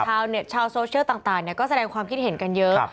ชาวเน็ตชาวโซเชียลต่างนี่ก็แสดงความคิดเห็นกันเยอะ